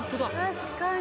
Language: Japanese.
確かに。